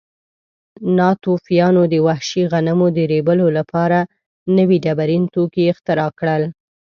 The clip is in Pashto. ناتوفیانو د وحشي غنمو د ریبلو لپاره نوي ډبرین توکي اختراع کړل.